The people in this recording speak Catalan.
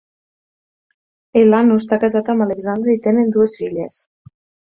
Elano està casat amb Alexandra i tenen dues filles.